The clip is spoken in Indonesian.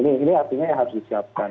ini artinya yang harus disiapkan